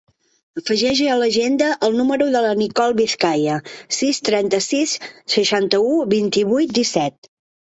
Afegeix a l'agenda el número de la Nicole Vizcaya: sis, trenta-sis, seixanta-u, vint-i-vuit, disset.